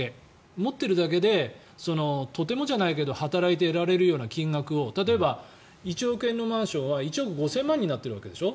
持っているだけでとてもじゃないけど働いて得られるような金額を例えば１億円のマンションは１億５０００万円になっているわけでしょ。